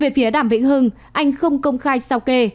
về phía đàm vĩnh hưng anh không công khai sao kê